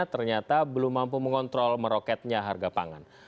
ternyata belum mampu mengontrol meroketnya harga pangan